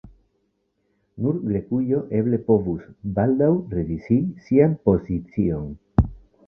Nur Grekujo eble povus baldaŭ revizii sian pozicion.